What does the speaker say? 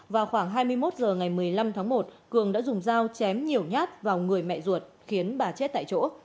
vào khoảng hai mươi một h ngày một mươi năm tháng một cường đã dùng dao chém nhiều nhát vào người mẹ ruột khiến bà chết tại chỗ